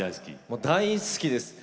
もう大好きです！